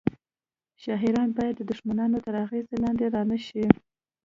شاعران باید د دښمنانو تر اغیز لاندې رانه شي